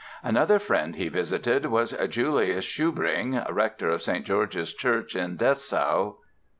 Another friend he visited was Julius Schubring, rector of St. George's Church in Dessau.